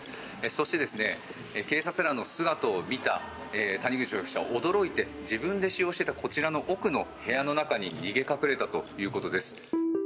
そして警察らの姿を見た谷口容疑者は驚いて自分で使用していたこちらの部屋の奥に逃げ隠れたということです。